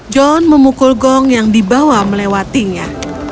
john memukul gong yang dibawa melewatinya